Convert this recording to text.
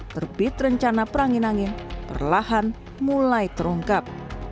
terbit rencana perangin angin perlahan mulai terungkap